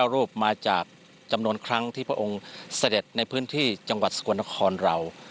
รูปมาจากจำนวนครั้งที่พระองค์เสด็จในพื้นที่จังหวัดสกลนครเรา